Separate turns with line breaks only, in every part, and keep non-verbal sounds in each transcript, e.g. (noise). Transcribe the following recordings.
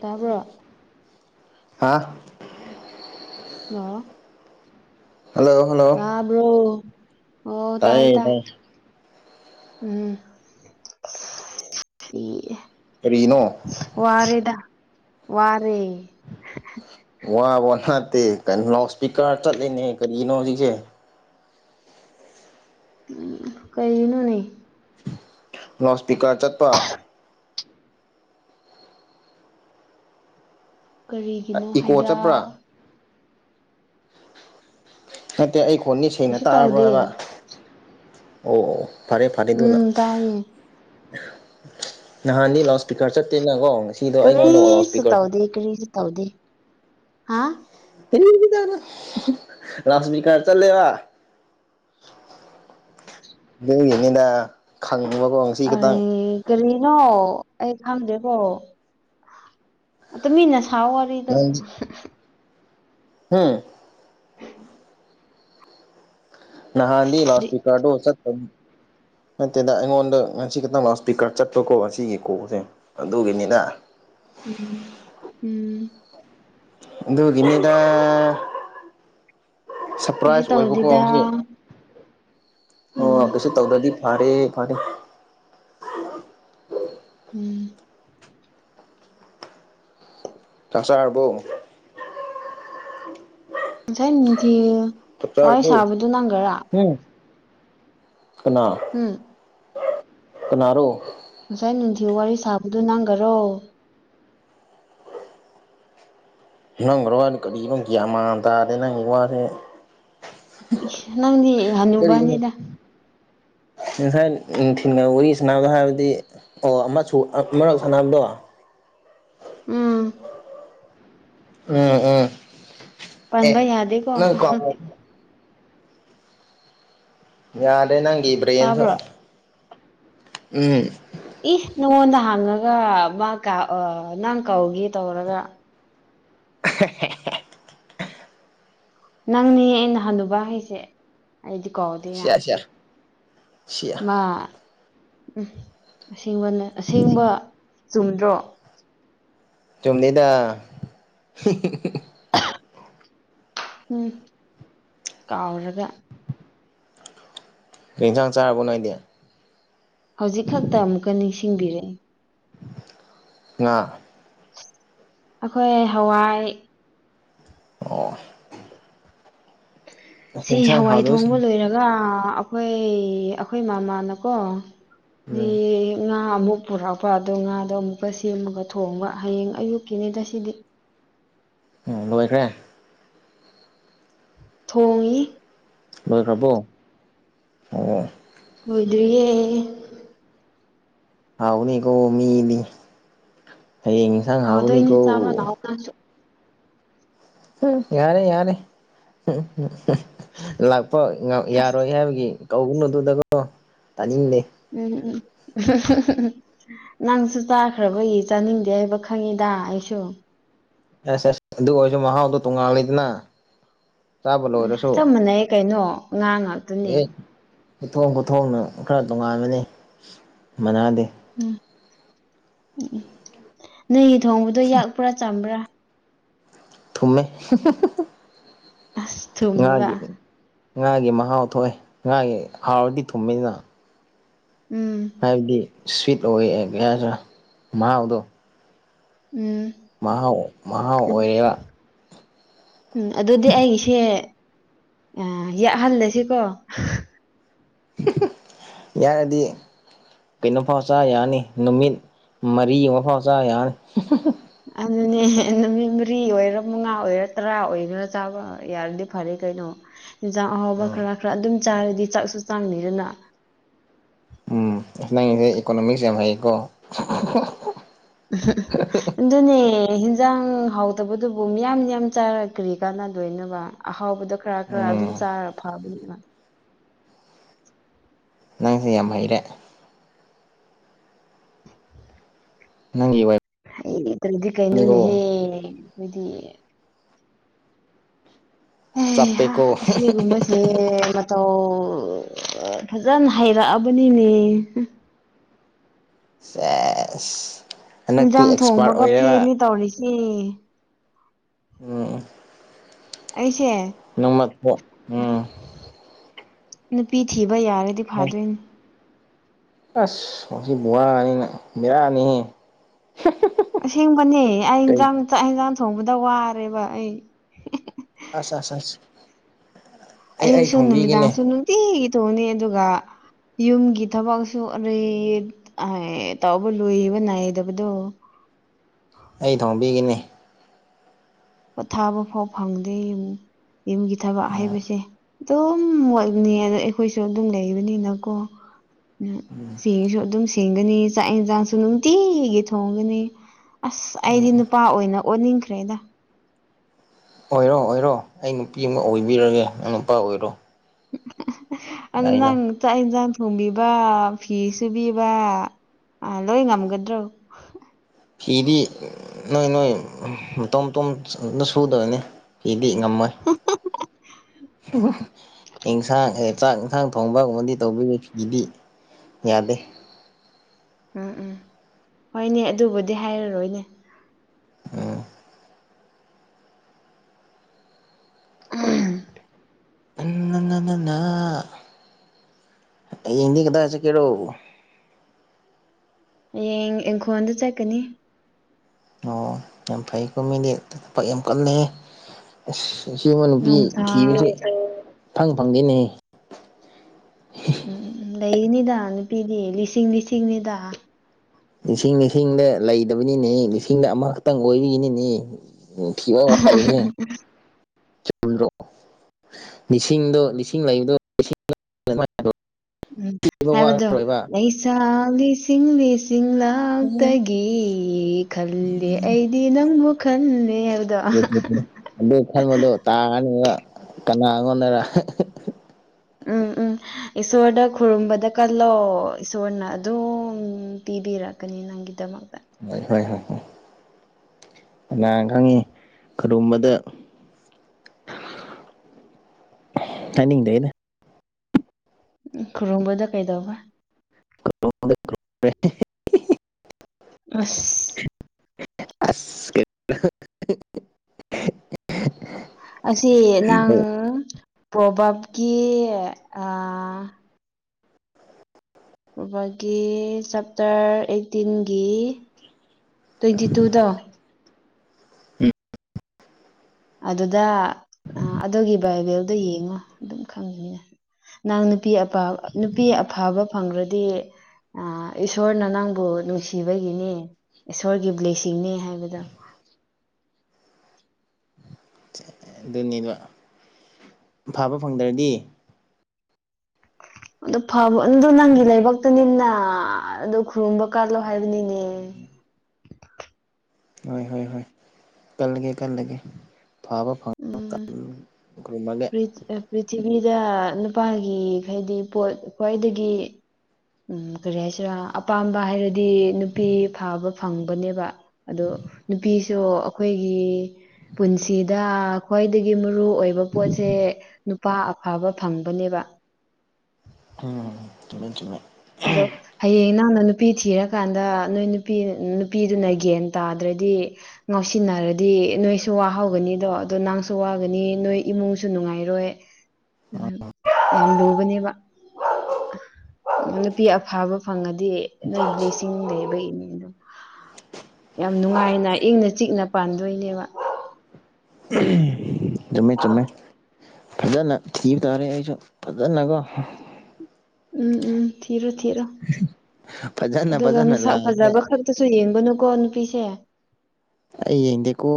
ꯇꯥꯕ꯭ꯔꯣ
ꯑ
ꯂ‌ꯣ
hello hello
ꯇꯥꯕ꯭ꯔꯣ ꯑꯣ ꯇꯥꯏ ꯇꯥꯏ ꯎꯝ (unintelligible) ꯏ
ꯀꯔꯤꯅꯣ
ꯋꯥꯔꯦꯗ ꯋꯥꯔꯦ
ꯋꯥꯕ ꯅꯠꯇꯦ ꯀꯩꯅꯣ ꯂꯥꯎꯠ ꯏꯁꯄꯤꯀꯔ ꯆꯠꯂꯤꯅꯦ ꯀꯔꯤꯒꯤꯅꯣ ꯍꯧꯖꯤꯛꯁꯦ
ꯎꯝ ꯀꯩꯅꯣꯅꯦ
ꯂꯥꯎꯠ ꯏꯁꯄꯤꯀꯔ ꯆꯠꯄ
ꯀꯔꯤꯒꯤꯅꯣ
ꯏꯀꯣ
ꯍꯥꯏꯕ
ꯆꯠꯄ꯭ꯔꯥ ꯅꯠꯇꯦ ꯑꯩ ꯈꯣꯟꯅꯤ ꯁꯦꯡꯅ
ꯀꯩꯁꯨ
ꯇꯥꯔꯕ꯭ꯔꯣ
ꯇꯧꯗꯦ
ꯍꯥꯏꯕ ꯑꯣ ꯐꯔꯦ ꯐꯔꯦ ꯑꯗꯨꯅ
ꯎꯝ ꯇꯥꯏꯌꯦ
ꯅꯍꯥꯟꯗꯤ ꯂꯥꯎꯠ ꯏꯁꯄꯤꯀꯔ ꯆꯠꯇꯦꯅꯀꯣ ꯉꯁꯤꯗꯣ ꯑꯩꯉꯣꯟꯗ ꯂꯥꯎꯠ
ꯀꯔꯤꯁꯨ
ꯏꯁꯄꯤꯀꯔ
ꯇꯧꯗꯦ ꯀꯔꯤꯁꯨ ꯇꯧꯗꯦ ꯍꯥ
(unintelligible) ꯂꯥꯎꯠ ꯏꯁꯄꯤꯛꯀꯔ ꯆꯂꯦꯕ ꯑꯗꯨꯒꯤꯅꯤꯗ ꯈꯪꯕꯒꯣ
ꯑꯩ ꯀꯔꯤꯅꯣ ꯑꯩ ꯈꯪꯗꯦꯀꯣ ꯇꯨꯃꯤꯟꯅ ꯁꯥꯋꯣ ꯋꯔꯤꯗꯣ
ꯎꯝ ꯅꯍꯥꯟꯗꯤ ꯂꯥꯎꯠ ꯏꯁꯄꯤꯛꯀꯥꯔꯗꯣ ꯆꯠꯇ ꯅꯠꯇꯦꯗ ꯑꯩꯉꯣꯟꯗ ꯉꯁꯤ ꯈꯤꯇꯪ ꯂꯥꯎꯠ ꯏꯁꯄꯤꯀꯔ ꯆꯠꯄꯀꯣ ꯑꯁꯤ ꯏꯀꯣꯖꯦ ꯑꯗꯨꯒꯤꯅꯤꯅ
ꯎꯝ ꯎꯝ
ꯑꯗꯨꯒꯤꯅꯤꯗ
ꯀꯩꯁꯨ
ꯁꯔꯄ꯭ꯔꯥꯏꯖ ꯑꯣꯏꯕꯀꯣ
ꯇꯧꯗꯦꯗ
ꯉꯁꯤ ꯑꯣ
ꯎꯝ
ꯀꯩꯁꯨ ꯇꯧꯗ꯭ꯔꯗꯤ ꯐꯔꯦ ꯐꯔꯦ
ꯎꯝ
ꯆꯥꯛ ꯆꯥꯔꯕꯣ
ꯉꯁꯥꯏ ꯅꯨꯡꯊꯤ
ꯆꯥꯛ
ꯋꯥꯔꯤ
ꯆꯥꯔꯕꯣ
ꯁꯥꯕꯗꯨꯣ ꯅꯪꯒꯔꯥ
ꯎꯅꯥ
ꯎꯝ
ꯀꯅꯔꯣ
ꯉꯁꯥꯏ ꯅꯨꯡꯊꯤ ꯋꯥꯔꯤ ꯁꯥꯕꯗꯨꯣ ꯅꯪꯈꯔꯣ
ꯅꯪꯒꯔꯣ ꯋꯥꯗ ꯀꯔꯤꯒꯤꯅꯣ ꯒ꯭ꯌꯥꯟ ꯃꯥꯡꯥꯟꯕ ꯇꯥꯔꯦ ꯅꯪꯒꯤ ꯋꯥꯁꯦ
ꯅꯪꯅꯤ ꯍꯅꯨꯕꯅꯤꯗ
ꯎꯔꯤ ꯁꯅꯥꯗꯗꯤ ꯑꯣ ꯑꯃꯁꯨ ꯃꯔꯛ ꯁꯅꯥꯝꯗꯣ
ꯎꯝ
ꯎꯝ ꯎꯝ ꯑꯦ
ꯄꯟꯕ ꯌꯥꯗꯦꯀꯣ
ꯅꯪ ꯀ ꯌꯥꯗꯦ ꯅꯪꯒꯤ ꯕ꯭ꯔꯦꯦꯟꯁꯨ
ꯇꯥꯕ꯭ꯔꯣ
ꯎꯝ
ꯏ ꯅꯉꯣꯟꯗ ꯍꯥꯡꯉꯒ ꯃꯥ ꯅꯪ ꯀꯧꯒꯦ ꯇꯧꯔꯒ
ꯁꯦ
ꯅꯪꯅꯦ ꯑꯩꯅ ꯍꯂꯨꯕ ꯍꯥꯏꯁꯦ ꯑꯩꯗꯤ ꯀꯧꯗꯣꯏꯅ
ꯁꯤꯌꯥ ꯁꯤꯌꯥ ꯁꯤꯌꯥ
ꯃꯥ ꯎꯝ ꯑꯁꯦꯡꯕꯅ ꯑꯁꯦꯡꯕ ꯆꯨꯝꯗ꯭ꯔꯣ
ꯆꯨꯝꯗꯗ
ꯍ ꯎꯝ ꯀꯥꯎꯔꯒ
ꯄꯔꯤꯁꯪ ꯆꯥꯔ ꯕꯥꯏꯗꯦ
ꯍꯧꯖꯤꯛ ꯈꯛꯇ ꯑꯃꯨꯛꯀ ꯅꯤꯡꯁꯤꯡꯕꯤꯔꯛꯦ
ꯉ
ꯑꯩꯈꯣꯏ ꯍꯋꯥꯏ
ꯑꯣ ꯑꯁ
ꯁꯤ
ꯌꯦꯟꯁꯥꯡ
ꯍꯋꯥꯏ ꯊꯣꯡꯕ
ꯍꯥꯎꯗꯣꯏꯁꯤꯡ
ꯂꯣꯏꯔꯝ ꯉꯥ ꯑꯩꯈꯣꯏ ꯑꯩꯈꯣꯏ ꯃꯃꯥꯅꯀꯣ ꯃꯤ
ꯎꯝ
ꯉꯥ ꯑꯃꯨꯛ ꯄꯨꯔꯛꯄꯥꯗꯣ ꯉꯥꯗꯣ ꯑꯃꯨꯛꯀ ꯁꯦꯝꯃꯒ ꯊꯣꯡꯕ ꯍꯌꯦꯡ ꯑꯌꯨꯛꯀꯤꯅꯤꯗ ꯁꯤꯗꯤ
ꯎꯝ ꯂꯣꯏꯈ꯭ꯔꯦ
ꯊꯣꯡꯉꯏ
ꯂꯣꯏꯈ꯭ꯔꯕꯣ ꯑꯣ
ꯍꯣꯏꯗ꯭ꯣꯏꯔꯤꯌꯦꯦ
ꯍꯥꯎꯅꯤ ꯀꯣ ꯃꯤ ꯏꯗꯤ ꯍ ꯁ ꯍꯥꯎꯅꯤ
ꯍꯥꯎꯗꯣꯏꯅꯤ
ꯀꯣ
ꯆꯥꯕ ꯂꯥꯛꯑꯣ ꯅꯪꯁꯨ
ꯎꯝ ꯌꯥꯔꯦ ꯌꯥꯔꯦ ꯂꯥꯛꯄ
ꯑꯁ
ꯌꯥꯔꯣꯏ ꯍꯥꯏꯕꯒꯤ ꯀꯧꯅꯨꯗꯨꯗꯒꯣ ꯇꯥꯅꯤꯡꯗꯦ
ꯎꯝ ꯎꯝ ꯅꯪꯁꯨ ꯆꯥꯈ꯭ꯔꯕꯒꯤ ꯆꯥꯅꯤꯡꯗꯦ ꯍꯥꯏꯕ ꯈꯪꯉꯤꯗ ꯑꯩꯁꯨ
ꯑꯁ ꯑꯁ ꯑꯗꯨ ꯑꯣꯏꯔꯁꯨ ꯃꯍꯥꯎꯗꯣ ꯇꯣꯡꯉꯥꯜꯂꯤꯗꯅ ꯆꯥꯕ
ꯎꯝ
ꯂꯣꯏꯔꯁꯨ
ꯆꯞ ꯃꯥꯟꯅꯩ ꯀꯩꯅꯣ ꯉꯥ ꯉꯥꯛꯇꯨꯅꯤ
ꯄꯠꯊꯣꯛ ꯄꯨꯊꯣꯛꯅ ꯈꯔ ꯇꯣꯉꯥꯟꯕꯅꯤ ꯃꯅꯥꯗꯗꯤ
ꯎꯝ ꯎꯝ ꯅꯣꯏ ꯊꯣꯡꯕꯗꯣ ꯌꯥꯛꯄ꯭ꯔꯥ ꯆꯝꯕ꯭ꯔꯥ
ꯊꯨꯝꯃꯦ
ꯑꯁ ꯊꯨꯝꯃꯤꯕ
ꯉꯥꯒꯤ ꯉꯥꯒꯤ ꯃꯍꯥꯎ ꯊꯣꯛꯑꯦ ꯉꯥꯒꯤ ꯍꯥꯎꯔꯗꯤ ꯊꯨꯝꯃꯤꯅꯤꯅ
ꯎꯝ
ꯍꯥꯏꯕꯗꯤ ꯁ꯭ꯋꯤꯠ ꯑꯣꯏ ꯃꯍꯥꯎꯗꯣ
ꯎꯝ
ꯃꯍꯥꯎ ꯃꯍꯥꯎ ꯑꯣꯏꯔꯦꯔ
ꯎꯝ ꯑꯗꯨꯗꯤ ꯑꯩꯒꯤꯁꯦ ꯌꯥꯛꯍꯜꯂꯁꯤꯀꯣ
ꯌꯥꯔꯗꯤ ꯀꯩꯅꯣꯐꯥꯎ ꯆꯥ ꯌꯥꯅꯤ ꯅꯨꯃꯤꯠ ꯃꯔꯤ ꯑꯃ ꯐꯥꯎ ꯆꯥ ꯌꯥꯅꯤ
ꯑꯗꯨꯅꯦ ꯅꯨꯃꯤꯠ ꯃꯔꯤ ꯑꯣꯏꯔꯥ ꯃꯉꯥ ꯑꯣꯏꯔꯥ ꯇꯔꯥ ꯑꯣꯏꯒꯔꯥ ꯆꯥꯕ ꯌꯥꯔꯗꯤ ꯐꯔꯦ ꯀꯩꯅꯣ ꯌꯦꯟꯖꯥꯡ ꯑꯍꯥꯎꯕ
ꯎꯝ
ꯈꯔ ꯈꯔ ꯑꯗꯨꯝ ꯆꯥꯔꯗꯤ ꯆꯥꯛꯁꯨ ꯆꯥꯡꯅꯤꯗꯅ
ꯎꯝ ꯑ ꯅꯪꯁꯦ ꯏꯀꯣꯅꯣꯃꯤꯛꯁ ꯌꯥꯝ ꯍꯩꯌꯦꯀꯣ
(unintelligible) ꯑꯗꯨꯅꯦ ꯍꯟꯖꯥꯡ ꯍꯥꯎꯇꯕꯗꯨꯕꯨ ꯃꯤꯌꯥꯝ ꯌꯥꯝ ꯆꯥꯔꯛꯈ꯭ꯔꯤ ꯀꯥꯟꯅꯗꯣꯏꯕ ꯑꯍꯥꯎꯕꯗ ꯈꯔ ꯈꯔ ꯑꯗꯨꯝ
ꯎꯝ
ꯆꯥꯔ ꯐꯕꯅꯤꯅ
ꯅꯪꯁꯦ ꯌꯥꯝ ꯍꯩꯔꯦ ꯅꯪ (unintelligible)
ꯑꯩꯇ꯭ꯔꯗꯤ ꯀꯩꯅꯣꯅꯦ ꯍꯦꯏꯗꯤ
ꯆꯞꯄꯦꯀꯣ
(unintelligible) ꯁꯦꯒꯨꯝꯕ ꯍ ꯃꯇꯧ ꯐꯖꯅ ꯍꯩꯔꯛꯑꯕꯅꯤꯅꯦ
(unintelligible) ꯑꯁ (unintelligible)
ꯌꯦꯟꯁꯥꯡ ꯊꯣꯡꯕꯒ ꯄꯦꯃꯤ ꯇꯧꯔꯤꯁꯤ
ꯎꯝ
ꯑꯩꯁꯦ
ꯅꯪ (unintelligible)
ꯅꯨꯄꯤ ꯊꯤꯕ ꯌꯥꯔꯗꯤ ꯐꯥꯗꯣꯏꯅꯤ
ꯑꯁ ꯃꯁꯤ ꯋꯅꯦꯅ ꯕꯤꯔꯥꯅꯤꯍꯦ
ꯑꯁꯦꯡꯕꯅꯦ ꯑꯩ ꯏꯟꯖꯥꯡ ꯆꯥꯛ ꯌꯦꯟꯖꯥꯡ ꯊꯣꯡꯕꯗ ꯋꯥꯔꯦꯕ ꯑꯩ
ꯑꯁ ꯑꯁ ꯑꯁ ꯑꯩ ꯑꯩ
ꯑꯌꯨꯛꯁꯨ
ꯊꯣꯡꯕꯤꯒꯦꯅꯦ
ꯅꯨꯃꯤꯗꯥꯡꯁꯨ ꯅꯨꯡꯇꯤꯒꯤ ꯊꯣꯛꯑꯅꯤ ꯑꯗꯨꯒ ꯌꯨꯝꯒꯤ ꯊꯕꯛꯁꯨ ꯑꯩ ꯇꯧꯕ ꯂꯣꯏꯕ ꯅꯥꯏꯗꯕꯗꯣ
ꯑꯩ ꯊꯣꯡꯕꯤꯒꯤꯅꯤ
ꯄꯣꯊꯥꯕ ꯐꯥꯎ ꯐꯪꯗꯦ ꯌꯨꯝꯒꯤ ꯊꯕꯛ ꯍꯥꯏꯩꯕꯁꯦ ꯑꯗꯨꯝ ꯋꯥꯠꯅꯤ ꯑꯗꯣ ꯑꯩꯈꯣꯏꯁꯨ ꯑꯗꯨꯝ ꯂꯩꯕꯅꯤꯅꯀꯣ ꯆꯦꯡꯁꯨ ꯑꯗꯨꯝ ꯁꯦꯡꯒꯅꯤ ꯆꯥꯛ ꯌꯦꯟꯁꯥꯡꯁꯨ ꯅꯨꯡꯇꯤꯒꯤ ꯊꯣꯡꯒꯅꯤ ꯑꯁ
ꯎꯝ
ꯑꯩꯗꯤ ꯅꯨꯄꯥ ꯑꯣꯏꯅ ꯑꯣꯟꯅꯤꯡꯈ꯭ꯔꯦꯗ
ꯑꯣꯏꯔꯣ ꯑꯣꯏꯔꯣ ꯑꯩ ꯅꯨꯄꯤ ꯑꯃ ꯑꯣꯏꯕꯤꯔꯒꯦ ꯅꯪ ꯅꯨꯄꯥ ꯑꯣꯏꯔꯣ
ꯑꯜ
ꯌꯥꯏꯅ
ꯅꯪ ꯆꯥꯛ ꯏꯟꯁꯥꯡ ꯊꯣꯡꯕꯤꯕ ꯐꯤ ꯁꯨꯕꯤꯕ ꯂꯣꯏ ꯉꯝꯒꯗ꯭ꯔꯣ
ꯐꯤꯗꯤ ꯅꯣꯏ ꯅꯣꯏ ꯃꯇꯣꯝ ꯇꯣꯝꯗ ꯁꯨꯗꯕꯅꯤ ꯐꯤꯗꯤ ꯉꯝꯃꯣꯏ ꯑꯦꯟꯁꯥꯡ ꯆꯥꯛ ꯏꯟꯁꯥꯡ ꯊꯣꯡꯕꯒꯨꯝꯕꯗꯤ ꯇꯧꯕꯤꯔꯦ ꯐꯤꯗꯤ ꯌꯥꯗꯦ
ꯎꯝ ꯎꯝ ꯍꯣꯏꯅꯦ ꯑꯗꯨꯕꯨꯗꯤ ꯍꯥꯏꯔꯔꯣꯏꯅꯦ
ꯎꯝ
(unintelligible)
(unintelligible) ꯍꯌꯦꯡꯗꯤ ꯀꯗꯥꯏ ꯆꯠꯀꯦꯔꯣ
ꯍꯌꯦꯡ ꯏꯪꯈꯣꯜꯗ ꯆꯠꯀꯅꯤ
ꯑꯣ ꯌꯥꯝ ꯐꯩꯀꯣ ꯃꯤꯗꯤ ꯄꯥꯛ ꯌꯥꯝ ꯀꯟꯅꯦ ꯑꯁ ꯁꯤꯕ ꯅꯨꯄꯤ
ꯅꯨꯡꯁꯥ
ꯊꯤꯕꯁꯦ ꯐꯪ ꯐꯪꯗꯦꯅꯦꯍꯦ
ꯎꯝ ꯂꯩꯅꯤꯗ ꯅꯨꯄꯤꯗꯤ ꯂꯤꯁꯤꯡ ꯂꯤꯁꯤꯡꯅꯤꯗ
ꯂꯤꯁꯤꯡ ꯂꯤꯁꯤꯡꯗ ꯂꯩꯗꯕꯅꯤꯅꯦ ꯂꯤꯁꯤꯡꯗ ꯑꯃꯈꯇꯪ ꯑꯣꯏꯕꯤꯒꯤꯅꯤꯅꯦ ꯎꯝ (unintelligible) ꯆꯨꯝꯗ꯭ꯔꯣ ꯂꯤꯁꯤꯡꯗꯣ ꯂꯤꯁꯤꯡ ꯂꯩꯕꯗꯣ
ꯎꯝ ꯍꯥꯏꯕꯗꯣ
(unintelligible)
ꯂꯩꯁꯥ ꯂꯤꯁꯤꯡ ꯂꯤꯁꯤꯡ ꯂꯛꯇꯒꯤ ꯈꯜꯂꯦ ꯑꯩꯗꯤ ꯅꯪꯕꯨ ꯈꯟꯅꯦ
ꯑꯗꯨ ꯈꯟꯕꯗꯣ ꯇꯥꯔꯅꯤꯕ ꯀꯅꯥꯉꯣꯟꯗꯔ
ꯎꯝ ꯎꯝ ꯏꯁꯣꯔꯗ ꯈꯨꯔꯨꯝꯕꯗ ꯀꯜꯂꯣ ꯏꯁꯣꯔꯅ ꯑꯗꯨꯝ ꯄꯤꯕꯤꯔꯛꯀꯅꯤꯅ ꯅꯪꯒꯤꯗꯃꯛꯇ
ꯍꯣꯏ ꯍꯣꯏ ꯍꯣꯏ ꯍꯣꯏ ꯀꯅꯥ ꯈꯪꯉꯤ ꯀꯔꯨꯝꯕꯗ ꯍꯥꯏꯅꯤꯡꯗꯦ ꯑꯩꯅ
ꯈꯨꯔꯨꯝꯕꯗ ꯀꯩꯗꯧꯕ
ꯀ꯭ꯔꯣꯗ꯭ꯔ
ꯑꯁ
ꯑꯁ ꯀ
ꯑꯁꯤ ꯅꯪ
ꯎꯝ
ꯄ꯭ꯔꯣꯕꯥꯕꯀꯤ ꯎꯒꯤ ꯆꯞꯇꯔ ꯑꯩꯠꯇꯤꯟꯒꯤ ꯇ꯭ꯋꯦꯟꯇꯤ ꯇꯨꯗꯣ ꯑꯗꯨꯗ ꯑꯗꯨꯒꯤ ꯕꯥꯏꯕꯦꯜꯗꯣ ꯌꯦꯡꯉꯣ ꯑꯗꯨꯝ ꯈꯪꯉꯅꯦ ꯅꯍꯪ ꯅꯨꯄꯤ ꯑꯄꯥ ꯅꯨꯄꯤ ꯑꯐꯕ ꯐꯪꯈ꯭ꯔꯗꯤ ꯑ ꯏꯁꯣꯔꯅ ꯅꯪꯕꯨ ꯅꯨꯡꯁꯤꯕꯒꯤꯅꯦ ꯏꯁꯣꯔꯒꯤ ꯕ꯭ꯂꯦꯁꯤꯡꯅꯦ ꯍꯥꯏꯕꯗꯣ
ꯑꯗꯨꯅꯦꯗ ꯐꯥꯕ ꯐꯪꯗ꯭ꯔꯗꯤ
ꯑꯗꯨ ꯐꯕ ꯑꯗꯨ ꯅꯪꯒꯤ ꯂꯩꯥꯏꯕꯛꯇꯅꯤꯅ ꯑꯗꯨ ꯈꯨꯔꯨꯝꯕ ꯀꯠꯂꯣ ꯍꯥꯏꯕꯅꯤꯅꯦ
ꯍꯣꯏ ꯍꯣꯏ ꯍꯣꯏ ꯀꯒꯦ ꯀꯒꯦ ꯐꯥꯕ
ꯎꯝ ꯐꯔꯤ ꯄ꯭ꯔꯤꯊꯤꯕꯤꯗ ꯅꯨꯄꯥꯒꯤ ꯍꯥꯏꯗꯤ ꯄꯣꯠ ꯈ꯭ꯋꯥꯏꯗꯒꯤ ꯎꯝ ꯀꯔꯤ ꯍꯥꯏꯁꯤꯔꯥ ꯑꯄꯥꯝꯕ ꯍꯥꯏꯔꯗꯤ ꯅꯨꯄꯤ ꯐꯕ ꯐꯪꯕꯅꯦꯕ ꯑꯗꯣ ꯅꯨꯄꯤꯁꯨ ꯑꯩꯈꯣꯏꯒꯤ ꯄꯨꯟꯁꯤꯗ ꯗ ꯈ꯭ꯋꯥꯏꯗꯒꯤ ꯃꯔꯨ ꯑꯣꯏꯕ ꯄꯣꯠꯁꯦ ꯅꯨꯄꯥ ꯑꯐꯕ ꯐꯪꯕꯅꯦꯕ ꯎ
ꯇꯃꯦꯟ ꯆꯃꯦ
ꯑꯗꯣ ꯍꯌꯦꯡ ꯅꯪꯅ ꯅꯨꯄꯤ ꯊꯤꯔꯀꯥꯟꯗ ꯅꯣꯏ ꯅꯨꯄꯤ ꯅꯨꯄꯤꯗꯨꯅ ꯒ꯭ꯌꯟ ꯇꯥꯗ꯭ꯔꯗꯤ ꯉꯥꯎꯁꯤꯟꯅꯔꯗꯤ ꯅꯣꯏꯁꯨ ꯋꯥꯍꯧꯒꯅꯤꯗꯣ ꯑꯗꯣ ꯅꯪꯁꯨ ꯋꯥꯒꯅꯤ ꯅꯣꯏ ꯏꯃꯨꯡꯁꯨ ꯅꯨꯡꯉꯥꯏꯔꯣꯏ ꯑꯗꯨ ꯌꯥꯝ ꯂꯨꯕꯅꯦꯕ ꯅꯨꯅꯥꯄꯤ ꯑꯐꯥꯕ ꯐꯪꯉꯗꯤ ꯅꯣꯏ ꯕ꯭ꯂꯦꯁꯤꯡ ꯂꯩꯕ ꯏꯅꯦ ꯑꯗꯣ ꯌꯥꯝ ꯅꯨꯡꯉꯥꯏꯅ ꯏꯪꯅ ꯆꯤꯛꯅ ꯄꯥꯟꯗꯣꯏꯅꯦꯕ
ꯎꯝ ꯆꯨꯝꯃꯦ ꯆꯨꯝꯃꯦ ꯐꯖꯅ ꯊꯤꯕ ꯇꯥꯔꯦ ꯑꯩꯁꯨ ꯐꯖꯅꯀꯣ
ꯎꯝ ꯎꯝ ꯊꯤꯔꯣ ꯊꯤꯔꯣ
ꯐꯖꯅ
ꯑꯗꯨꯒ
ꯐꯖꯅ
ꯃꯁꯥ
ꯂꯥꯁꯇ
ꯐꯖꯕ ꯈꯔ ꯁꯨ ꯌꯦꯡꯕꯅꯨ ꯀꯣ ꯅꯨꯄꯤꯁꯦ
ꯑꯩ ꯌꯦꯗꯀꯣ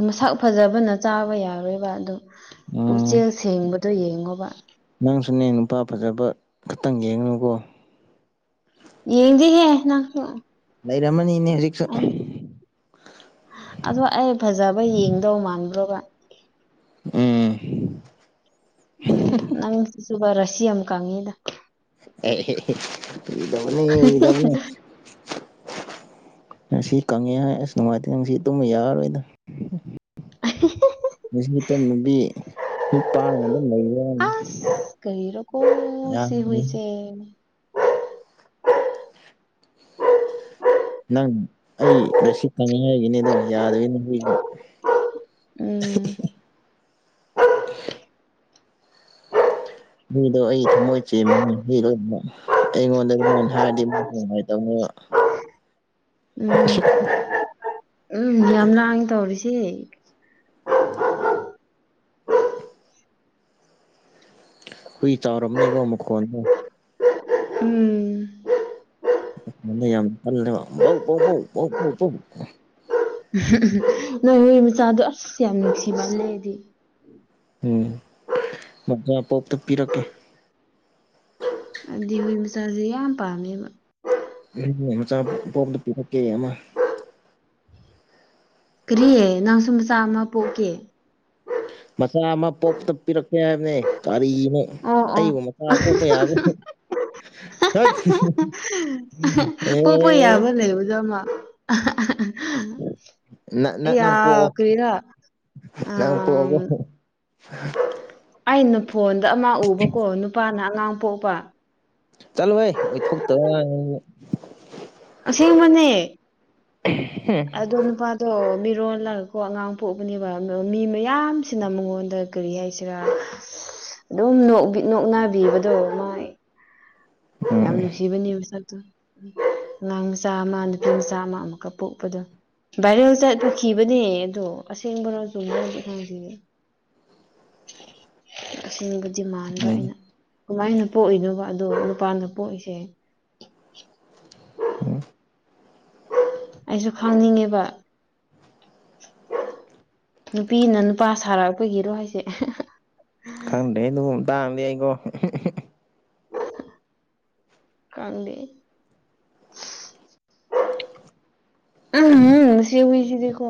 ꯎ ꯃꯁꯛ ꯐꯖꯕꯅ ꯆꯥꯕ ꯌꯥꯔꯣꯏꯕ ꯑꯗ
ꯎꯝ
ꯄꯨꯛꯆꯦꯜ ꯁꯦꯡꯕꯗꯣ ꯌꯦꯡꯉꯣꯕ
ꯅꯪꯁꯨꯅꯦ ꯅꯨꯄꯥ ꯐꯖꯕ ꯈꯛꯇꯪ ꯌꯦꯡꯅꯨꯀꯣ
ꯌꯦꯡꯗꯤ ꯍ
ꯂꯩꯔꯝꯃꯅꯤꯅꯦ ꯍꯧꯖꯤꯛꯁꯨ
ꯑꯗꯣ ꯑꯩ ꯐꯖꯕ ꯌꯦꯡꯗꯧ ꯃꯥꯟꯗ꯭ꯔꯣꯒ
ꯎꯝ
ꯎꯝ ꯅꯪꯁꯤ ꯁꯕ ꯔꯁꯤ ꯑꯝ ꯀꯉꯗ
ꯗꯅꯤꯗꯕꯅꯤ ꯉ ꯁꯤ ꯀꯪꯉꯦ ꯍꯥꯏ ꯑꯁ ꯅꯨꯡꯉꯥꯏꯇꯦ ꯁꯤ ꯇꯨꯝꯕ ꯌꯥꯔꯔꯣꯏꯗ
ꯑꯥ ꯍꯦ ꯍꯦ ꯍꯦ
ꯉꯥꯁꯤ ꯇꯨꯝ ꯅꯨꯡꯕꯤ ꯃꯤꯠꯄꯥꯡꯑꯒꯥ ꯗꯨꯝ ꯂꯩꯕ꯭ꯔꯥ ꯈꯪꯗꯦ
ꯔꯥꯀꯣ ꯁꯤ ꯍꯨꯏꯁꯦ (unintelligible)
ꯅꯪ ꯑꯩ ꯔꯁꯤꯠ ꯐꯪꯔꯤꯉꯩꯒꯤꯅꯦ ꯗꯣ ꯌꯥꯗꯕꯒꯤꯅꯦ ꯍꯨꯏꯅꯥ
(unintelligible) ꯎꯝ
ꯍꯨꯏꯗꯣ ꯑꯩ ꯊꯥꯃꯣꯏ ꯆꯦꯟꯕꯅꯦ ꯍꯨꯏ ꯂꯣꯏꯅꯃꯛ ꯑꯩꯉꯣꯟꯗ ꯑꯗꯨꯃꯥꯏꯅ ꯍꯥꯏꯔꯗꯤ ꯃꯨꯛꯀꯥ ꯅꯤꯉꯥꯏ ꯇꯧꯅꯤꯕ
ꯎꯝ (unintelligible) ꯎꯝ ꯌꯥꯝ ꯂꯥꯡꯉꯦ ꯇꯧꯔꯤꯁꯤ
ꯍꯨꯏ ꯆꯥꯎꯔꯝꯅꯦꯀꯣ ꯃꯈꯣꯟꯗꯣ?
ꯎꯝ
(unintelligible) ꯗꯣ ꯌꯥꯝ ꯀꯜꯂꯦꯕ ꯕꯧ ꯕꯧ ꯕꯧ ꯕꯧ ꯕꯧ ꯕꯧ
ꯎꯝ (unintelligible) ꯅꯣꯏ ꯍꯨꯏꯒꯤ ꯃꯆꯥꯗꯣ ꯑꯁ ꯌꯥꯝ ꯅꯨꯡꯁꯤꯃꯜꯂꯦ ꯑꯩꯗꯤ
ꯎꯝ ꯃꯆꯥ ꯄꯣꯛꯇꯣ ꯄꯤꯔꯛꯀꯦ
ꯑꯗꯤ ꯍꯨꯏ ꯃꯆꯥꯁꯦ ꯌꯥꯝ ꯄꯝꯃꯦꯕ
(unintelligible) ꯃꯆꯥ ꯄꯣꯝꯄꯗꯣ ꯄꯤꯔꯛꯀꯦ ꯑꯃ
ꯀ꯭ꯥꯔꯤ ꯅꯪꯁꯨ ꯃꯆꯥ ꯑꯃ ꯄꯣꯛꯀꯦ
ꯃꯆꯥ ꯑꯃ ꯄꯣꯛꯄꯗꯥ ꯄꯤꯔꯛꯀꯦ ꯍꯥꯏꯕꯅꯦ ꯀꯔꯤꯅꯦ
ꯑꯣ ꯑꯣ
ꯑꯩꯕꯨ ꯃꯆꯥꯥ ꯄꯣꯛꯄ ꯌꯥꯕ꯭ꯔ (unintelligible) ꯗꯥꯠ (unintelligible)
ꯇꯥꯕ ꯂꯩꯕꯗꯣ ꯑꯃ (unintelligible) (unintelligible)
ꯅꯪ ꯅꯪ
ꯑꯩꯌꯥ
ꯅꯪ ꯄꯣꯛꯑꯣ
ꯀꯤꯔꯥ
ꯅꯪ
ꯑꯥꯝ
ꯄꯣꯛꯑꯒ (inaudible)
(unintelligible) ꯑꯩꯅ ꯐꯣꯟꯗ ꯑꯃ ꯎꯕꯀꯣ ꯅꯨꯄꯥꯅ ꯑꯉꯥꯡ ꯄꯣꯛꯄ
ꯆꯥꯂꯣꯍꯦ ꯑꯣꯏꯊꯣꯛꯇꯕ ꯋꯥꯅꯦꯗꯨꯗꯤ
ꯑꯁꯦꯡꯕꯅꯦ
(unintelligible)
ꯑꯗꯣ ꯅꯨꯄꯥꯗꯣ ꯃꯤꯔꯣꯜꯂꯒꯀꯣ ꯑꯉꯥꯡ ꯄꯣꯛꯕꯅꯦꯕ ꯃꯥ ꯃꯤ ꯃꯌꯥꯝꯁꯤꯅ ꯃꯉꯣꯟꯗ ꯀꯔꯤ ꯍꯥꯏꯁꯤꯔ (unintelligible) ꯑꯗꯨꯝ ꯅꯣꯛꯕꯤ ꯅꯣꯛꯅꯕꯤꯕꯗꯣ ꯃꯥꯥꯏ ꯌꯥꯝ
ꯎꯝ
ꯅꯨꯡꯁꯤꯕꯅꯦ ꯃꯥꯁꯛꯇꯣ (unintelligible) ꯑꯉꯥꯡ ꯃꯆꯥ ꯑꯃ ꯅꯨꯄꯤ ꯃꯆꯥ ꯑꯃ ꯑꯃꯨꯛꯀꯥ ꯄꯣꯛꯄꯗꯣ ꯚꯥꯏꯔꯦꯜ ꯆꯠꯄꯥꯈꯤꯕꯅꯦ ꯑꯗꯣ ꯑꯁꯦꯡꯕꯔꯣ ꯑꯆꯨꯝꯕꯔꯣꯗꯤ ꯈꯪꯗꯦꯑꯦ ꯑꯁꯦꯡꯕ ꯗꯤꯃꯥꯟꯗ ꯑꯩꯅ ꯀꯃꯥꯏꯅ ꯄꯣꯛꯏꯅꯣꯕ ꯑꯗꯣ ꯅꯨꯄꯥꯅ ꯄꯣꯛꯏꯁꯦ?
ꯎꯝ
(unintelligible) ꯑꯩꯁꯨ ꯈꯪꯅꯤꯡꯉꯦꯕ (unintelligible) ꯅꯨꯄꯤꯅ ꯅꯨꯄꯥ ꯁꯥꯔꯛꯄꯒꯤꯔꯣ ꯍꯥꯏꯁꯦ (unintelligible)
ꯈꯪꯗꯦ ꯑꯗꯨꯒꯨꯝ ꯇꯥꯡꯗꯗꯤ ꯑꯩꯀꯣ (unintelligible)
(unintelligible) ꯀꯪꯗꯦ (unintelligible) (unintelligible) ꯎꯝꯍꯨꯝ ꯁꯤ ꯍꯨꯏꯁꯤꯗꯤꯀꯣ